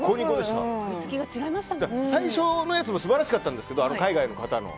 最初のやつも素晴らしかったんですが海外の方の。